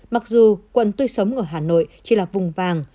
mặc dù quận tuy sống ở hà nội chỉ là vùng vàng